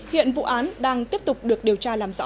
hiện vụ án đang tiếp tục được điều tra làm rõ